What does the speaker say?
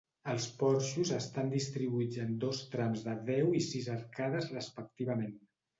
Els porxos estan distribuïts en dos trams de deu i sis arcades respectivament.